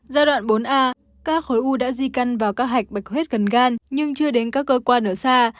giai đoạn bốn a các khối u đã di căn vào các hạch bạch huyết cần gan nhưng chưa đến các cơ quan ở xa